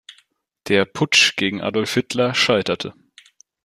Der „Putsch“ gegen Adolf Hitler scheiterte.